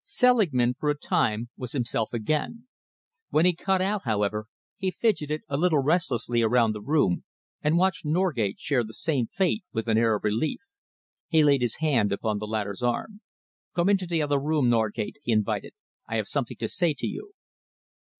Selingman for a time was himself again. When he cut out, however, he fidgeted a little restlessly around the room and watched Norgate share the same fate with an air of relief. He laid his hand upon the latter's arm. "Come into the other room, Norgate," he invited. "I have something to say to you."